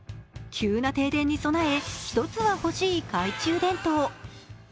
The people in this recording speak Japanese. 急な停電に備え、１つは欲しい懐中電灯。